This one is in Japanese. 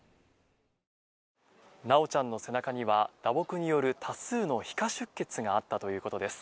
修ちゃんの背中には打撲による多数の皮下出血があったということです。